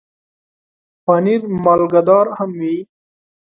پنېر مالګهدار هم وي.